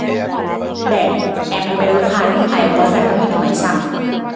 Ben, en primeiro lugar, hai unha oferta moito máis ampla.